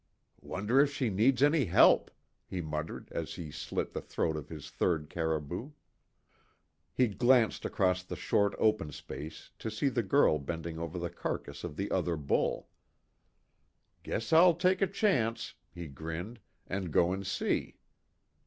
"Wonder if she needs any help?" he muttered as he slit the throat of his third caribou. He glanced across the short open space to see the girl bending over the carcass of the other bull. "Guess I'll take a chance," he grinned, "And go and see.